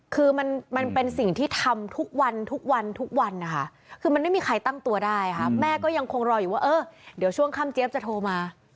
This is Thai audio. คือมันเป็นสิ่งที่ทำทุกวันคือมันไม่มีใครตั้งตัวได้แม่ก็ยังคงรออยู่ว่าเดี๋ยวช่วงค่ำเจี๊ยบจะโทรมา